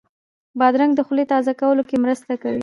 بادرنګ د خولې تازه کولو کې مرسته کوي.